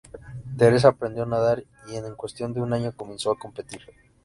Teresa aprendió a nadar y en cuestión de un año comenzó a competir.